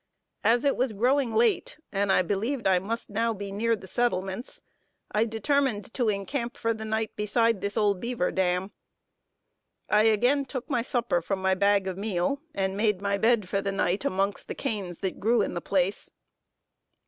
As it was growing late, and I believed I must now be near the settlements, I determined to encamp for the night, beside this old beaver dam. I again took my supper from my bag of meal, and made my bed for the night amongst the canes that grew in the place.